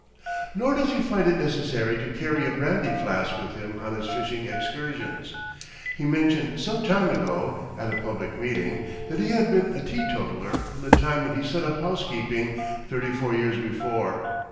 Nor does he find it necessary to carry a brandy flask with him on his fishing excursions. He mentioned some time ago, at a public meeting, that he had been a tee totaler from the time when he set up housekeeping thirty four years before.